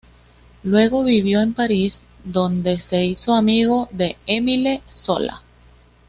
Luego vivió en París, donde se hizo amigo de Émile Zola.